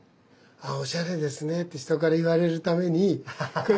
おしゃれですねって人から言われるためにこれ。